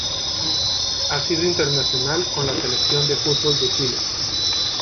Ha sido internacional con la Selección de fútbol de Chile.